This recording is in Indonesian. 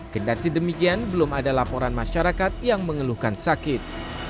kendati demikian belum ada laporan masyarakat yang mengeluhkan sakit